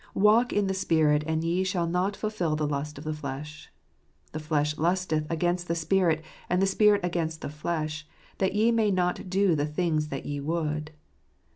"Walk in the Spirit, and ye shall not fulfil the lust of the flesh. The flesh lusteth against the Spirit, and the Spirit against the flesh, that ye may not do the things that ye would."